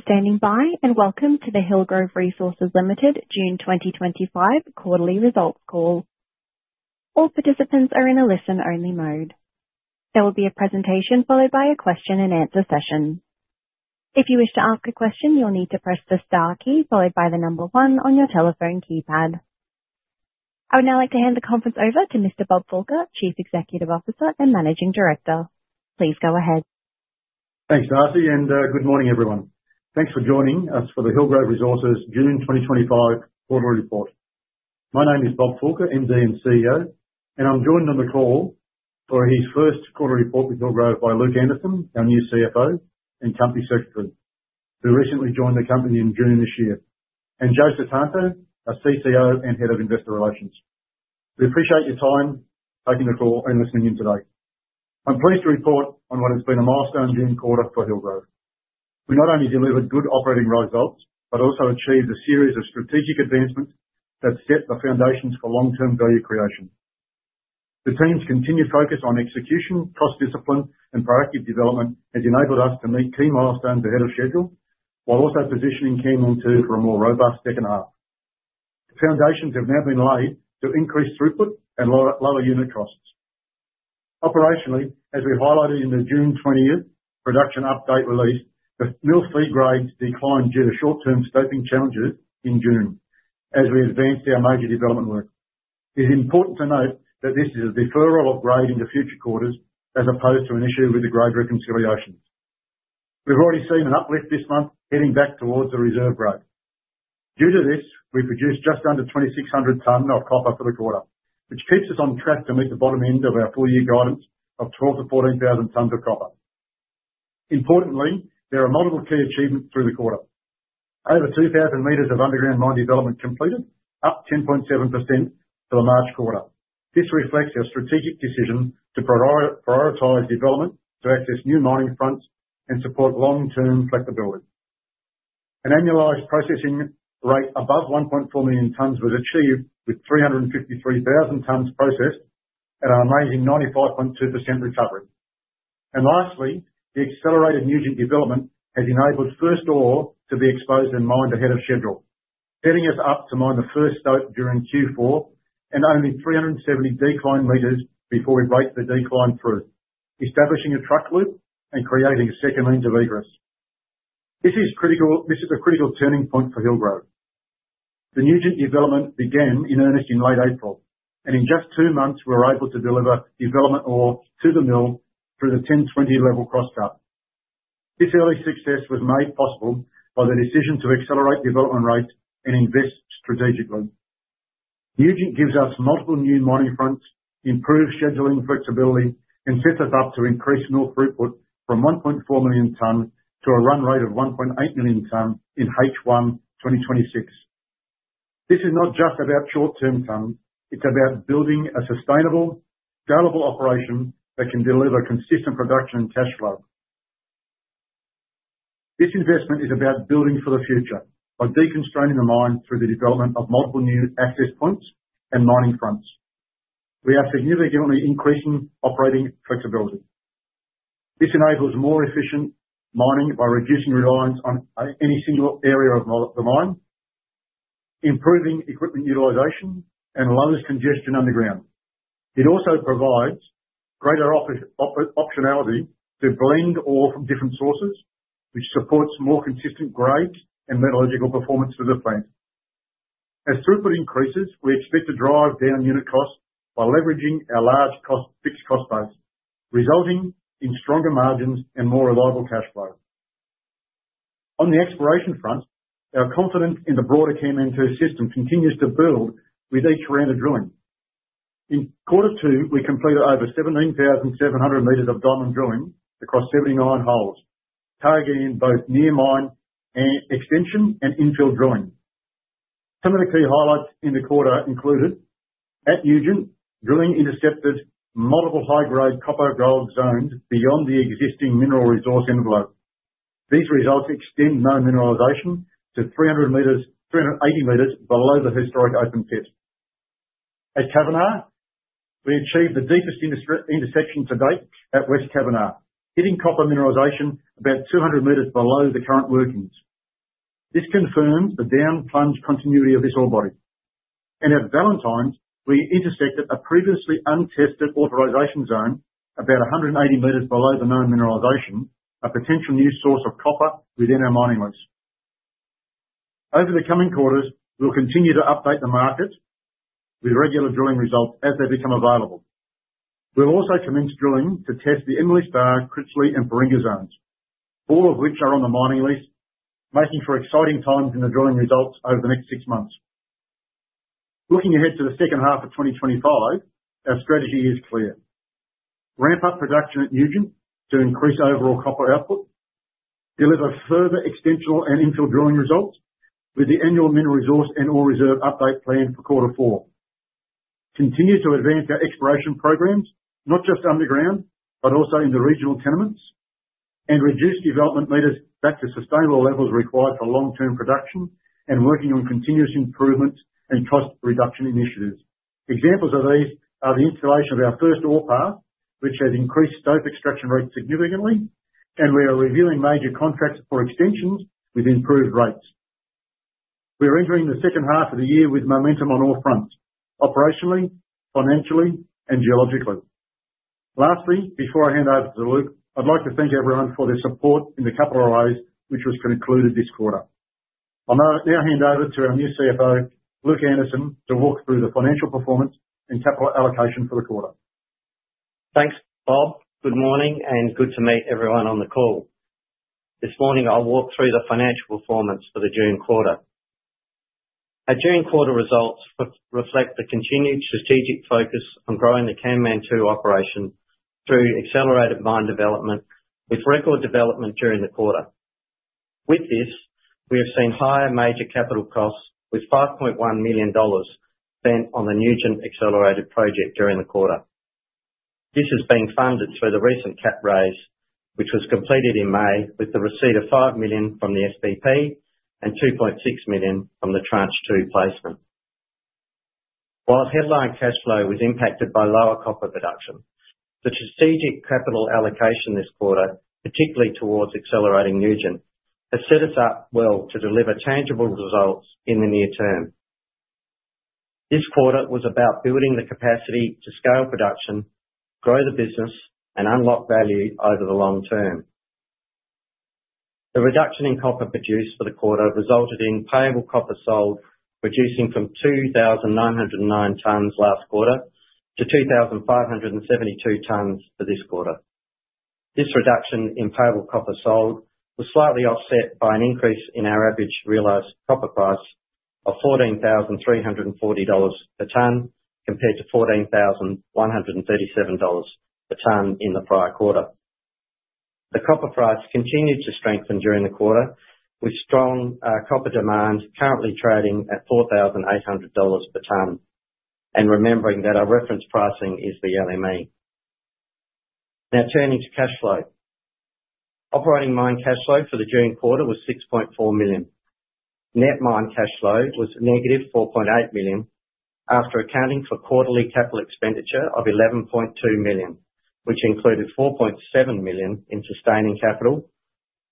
Standing by and welcome to the Hillgrove Resources Limited June 2025 Quarterly Results Call. All participants are in a listen-only mode. There will be a presentation followed by a question-and-answer session. If you wish to ask a question, you'll need to press the star key followed by the number one on your telephone keypad. I would now like to hand the conference over to Mr. Bob Fulker, Chief Executive Officer and Managing Director. Please go ahead. Thanks, Darcy, and good morning, everyone. Thanks for joining us for the Hillgrove Resources June 2025 Quarterly Report. My name is Bob Fulker, MD and CEO, and I'm joined on the call for his first quarterly report with Hillgrove by Luke Anderson, our new CFO and Company Secretary, who recently joined the company in June this year, and Joe Sutanto, our CTO and Head of Investor Relations. We appreciate your time taking the call and listening in today. I'm pleased to report on what has been a milestone June quarter for Hillgrove. We not only delivered good operating road results, but also achieved a series of strategic advancements that set the foundations for long-term value creation. The team's continued focus on execution, cost discipline, and proactive development has enabled us to meet key milestones ahead of schedule, while also positioning Kanmantoo for a more robust second arm. The foundations have now been laid to increase throughput and lower unit costs. Operationally, as we highlighted in the June 20th production update release, the mill feed grades declined due to short-term scoping challenges in June, as we advanced our major development work. It is important to note that this is a deferral of grade into future quarters, as opposed to an issue with the grade reconciliation. We've already seen an uplift this month, heading back towards the reserve grade. Due to this, we produced just under 2,600 tonnes of copper for the quarter, which keeps us on track to meet the bottom end of our full-year guidance of 12,000 tonnes-14,000 tonnes of copper. Importantly, there are multiple key achievements through the quarter. Over 2,000 meters of underground mine development completed, up 10.7% for the March quarter. This reflects our strategic decision to prioritize development to access new mining fronts and support long-term flexibility. An annualized processing rate above 1.4 million tonnes was achieved with 353,000 tonnes processed at an amazing 95.2% recovery. Lastly, the accelerated Nugent development has enabled first ore to be exposed in mine ahead of schedule, setting us up to mine the first [ore] during Q4 and only 370 decline meters before we break the decline through, establishing a truck loop and creating a second lens of egress. This is a critical turning point for Hillgrove. The Nugent development began in earnest in late April, and in just two months, we were able to deliver development ore to the mill through the 1020 level cross cut. This early success was made possible by the decision to accelerate development rates and invest strategically. The agent gives us multiple new mining fronts, improved scheduling flexibility, and sets us up to increase mill throughput from 1.4 million tonnes to a run rate of 1.8 million tonnes in H1 2026. This is not just about short-term commitments, it's about building a sustainable, scalable operation that can deliver consistent production and cash flow. This investment is about building for the future by deconstructing the mine through the development of multiple new access points and mining fronts. We are significantly increasing operating flexibility. This enables more efficient mining by reducing reliance on any single area of the mine, improving equipment utilization, and lowers congestion underground. It also provides greater optionality to blend ore from different sources, which supports more consistent grade and metallurgical performance for the frame. As throughput increases, we expect to drive down unit costs by leveraging our large fixed cost base, resulting in stronger margins and more reliable cash flow. On the exploration front, our confidence in the broader KMN2 system continues to build with each round of drilling. In quarter two, we completed over 17,700 meters of diamond drilling across 79 holes, targeting both near mine extension and infill drilling. Some of the key highlights in the quarter included at Eugene, drilling intercepted multiple high-grade copper-gold zones beyond the existing mineral resource envelope. These results extend known mineralization to 380 meters below the historic open pit. At Kavanagh, we achieved the deepest intersection to date at West Kavanagh, hitting copper mineralization about 200 meters below the current workings. This confirms the down plunge continuity of this ore body. At Valentine's, we intersected a previously untested mineralization zone about 180 meters below the known mineralization, a potential new source of copper within our mining lease. Over the coming quarters, we'll continue to update the market with regular drilling results as they become available. We'll also commence drilling to test the [Inlet Bar] Critchley, and [Baringa] zones, all of which are on the mining lease, making for exciting times in the drilling results over the next six months. Looking ahead to the second half of 2025, our strategy is clear. Ramp up production at Nugent to increase overall copper output, deliver further extensional and infill drilling results with the annual mineral resource and ore reserve update planned for quarter four. Continue to advance our exploration programs, not just underground, but also in the regional tenements, and reduce development meters back to sustainable levels required for long-term production and working on continuous improvement and cost reduction initiatives. Examples of these are the installation of our first ore pass, which has increased stope extraction rates significantly, and we are reviewing major contracts for extensions with improved rates. We're entering the second half of the year with momentum on all fronts, operationally, financially, and geologically. Lastly, before I hand over to Luke, I'd like to thank everyone for their support in the capital raise, which was concluded this quarter. I'll now hand over to our new CFO, Luke Anderson, to walk through the financial performance and capital allocation for the quarter. Thanks, Bob. Good morning and good to meet everyone on the call. This morning, I'll walk through the financial performance for the June quarter. Our June quarter results reflect the continued strategic focus on growing the KMN2 operation through accelerated mine development, with record development during the quarter. With this, we have seen higher major capital costs with $5.1 million spent on the Nugent accelerated project during the quarter. This has been funded through the recent cap raise, which was completed in May with the receipt of $5 million from the SBP and $2.6 million from the tranche 2 placement. While headline cash flow was impacted by lower copper production, the strategic capital allocation this quarter, particularly towards accelerating Nugent, has set us up well to deliver tangible results in the near term. This quarter was about building the capacity to scale production, grow the business, and unlock value over the long term. The reduction in copper produced for the quarter resulted in payable copper sold, reducing from 2,909 tonnes last quarter to 2,572 tonnes for this quarter. This reduction in payable copper sold was slightly offset by an increase in our average realized copper price of $14,340 per tonne compared to $14,137 per tonne in the prior quarter. The copper price continued to strengthen during the quarter, with strong copper demand currently trading at $4,800 per tonne and remembering that our reference pricing is the LME. Now turning to cash flow. Operating mine cash flow for the June quarter was $6.4 million. Net mine cash flow was -$4.8 million after accounting for quarterly capital expenditure of $11.2 million, which included $4.7 million in sustaining capital,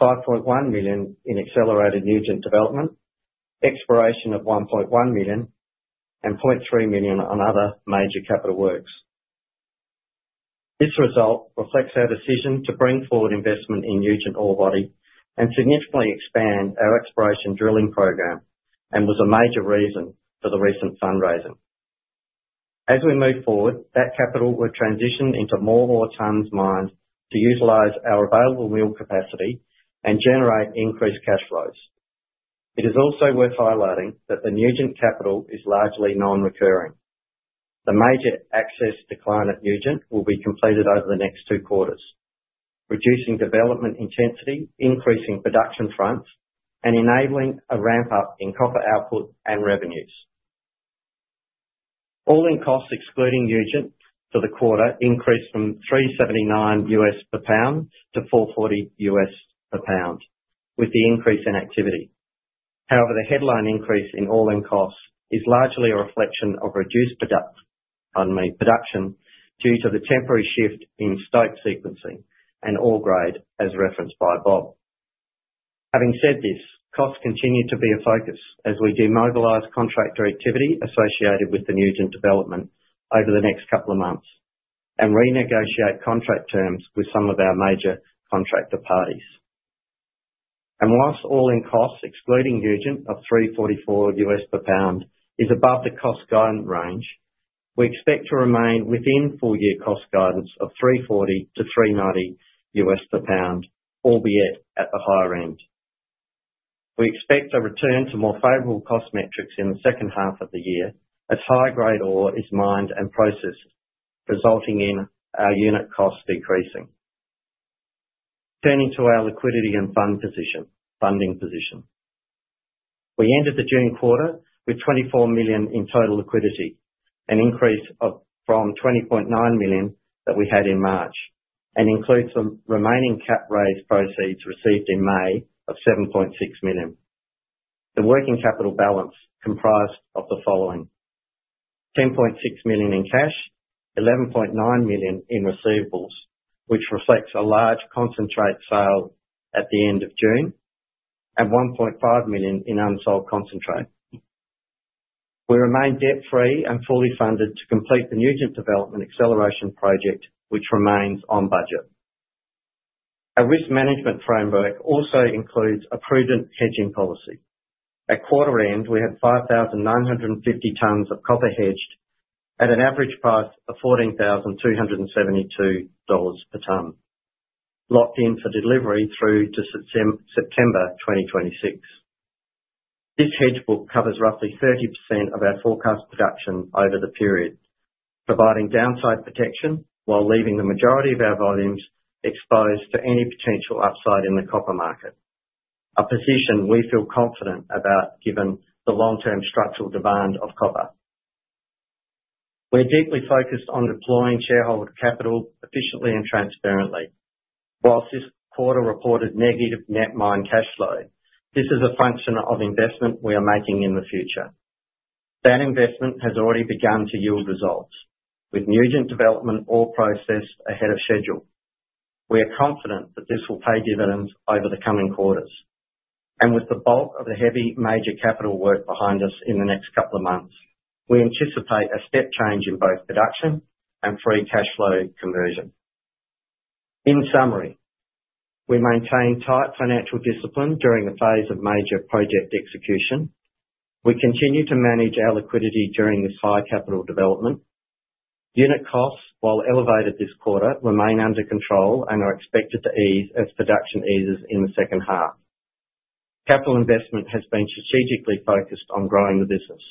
$5.1 million in accelerated Nugent development, exploration of $1.1 million, and $0.3 million on other major capital works. This result reflects our decision to bring forward investment in Nugent ore body and significantly expand our exploration drilling program and was a major reason for the recent fundraising. As we move forward, that capital will transition into more ore tonnes mined to utilize our available mill capacity and generate increased cash flows. It is also worth highlighting that the Nugent capital is largely non-recurring. The major access decline at Nugent will be completed over the next two quarters, reducing development intensity, increasing production fronts, and enabling a ramp-up in copper output and revenues. All-in costs excluding Nugent for the quarter increased from $3.79 per pound-$4.40 per pound with the increase in activity. However, the headline increase in all-in costs is largely a reflection of reduced production, due to the temporary shift in stope sequencing and ore grade, as referenced by Bob. Having said this, costs continue to be a focus as we demobilize contractor activity associated with the Nugent development over the next couple of months and renegotiate contract terms with some of our major contractor parties. Whilst all-in costs excluding Nugent of $3.44 per pound is above the cost guidance range, we expect to remain within full-year cost guidance of $3.40 per pound-$3.90 per pound, albeit at the higher end. We expect a return to more favorable cost metrics in the second half of the year as high-grade ore is mined and processed, resulting in our unit cost decreasing. Turning to our liquidity and funding position, we ended the June quarter with $24 million in total liquidity, an increase from $20.9 million that we had in March, and includes some remaining cap raise proceeds received in May of $7.6 million. The working capital balance comprised the following: $10.6 million in cash, $11.9 million in receivables, which reflects a large concentrate sale at the end of June, and $1.5 million in unsold concentrate. We remain debt-free and fully funded to complete the Nugent development acceleration project, which remains on budget. Our risk management framework also includes a prudent hedging policy. At quarter end, we had 5,950 tonnes of copper hedged at an average price of $14,272 per tonne, locked in for delivery through to September 2026. This hedge book covers roughly 30% of our forecast production over the period, providing downside protection while leaving the majority of our volumes exposed to any potential upside in the copper market, a position we feel confident about given the long-term structural demand of copper. We're deeply focused on deploying shareholder capital efficiently and transparently. Whilst this quarter reported negative net mine cash flow, this is a function of investment we are making in the future. That investment has already begun to yield results, with Nugent development all processed ahead of schedule. We are confident that this will pay dividends over the coming quarters, and with the bulk of the heavy major capital work behind us in the next couple of months, we anticipate a step change in both production and free cash flow conversion. In summary, we maintain tight financial discipline during the phase of major project execution. We continue to manage our liquidity during this high capital development. Unit costs, while elevated this quarter, remain under control and are expected to ease as production eases in the second half. Capital investment has been strategically focused on growing the business,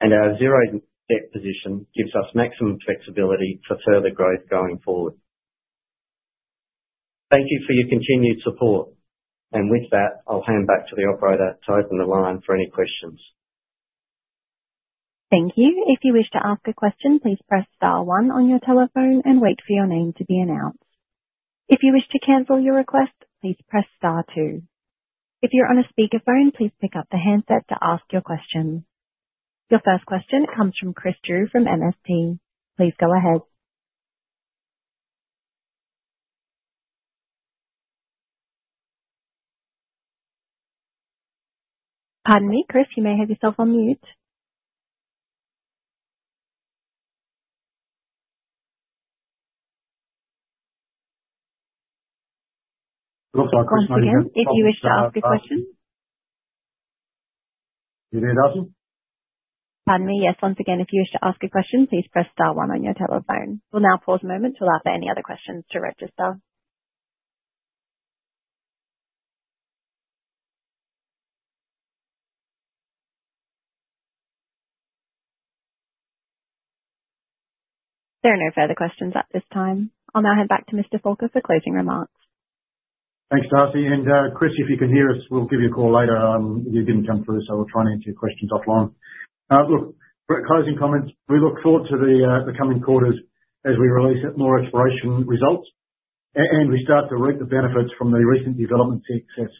and our zero net position gives us maximum flexibility for further growth going forward. Thank you for your continued support, and with that, I'll hand back to the operator to open the line for any questions. Thank you. If you wish to ask a question, please press star one on your telephone and wait for your name to be announced. If you wish to cancel your request, please press star two. If you're on a speaker phone, please pick up the handset to ask your question. Your first question comes from Chris Drew from MST. Please go ahead. Pardon me, Chris, you may have yourself on mute. I'm sorry, Chris. Once again, if you wish to ask a question. You did Pardon me, yes, once again, if you wish to ask a question, please press star one on your telephone. We'll now pause a moment to allow for any other questions to register. There are no further questions at this time. I'll now hand back to Mr. Fulker for closing remarks. Thanks, Darcy. Chris, if you can hear us, we'll give you a call later. You didn't jump through, so we'll try and answer your questions offline. Look, closing comments, we look forward to the coming quarters as we release more exploration results and we start to reap the benefits from the recent development success.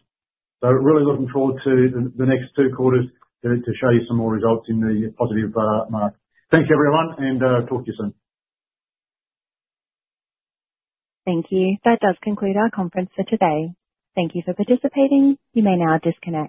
Really looking forward to the next two quarters to show you some more results in the positive mark. Thanks, everyone, and talk to you soon. Thank you. That does conclude our conference for today. Thank you for participating. You may now disconnect.